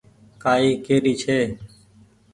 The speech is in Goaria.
ڪآ ئي ڪهري ڇي